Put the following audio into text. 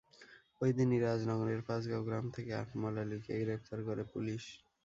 ওই দিনই রাজনগরের পাঁচগাঁও গ্রাম থেকে আকমল আলীকে গ্রেপ্তার করে পুলিশ।